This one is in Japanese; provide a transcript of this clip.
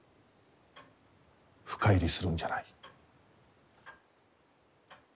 深入りするんじゃない。